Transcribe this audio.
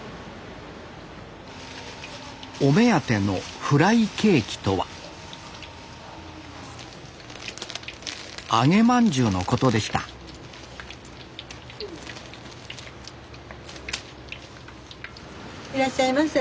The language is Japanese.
お目当てのフライケーキとは揚げまんじゅうのことでしたいらっしゃいませ。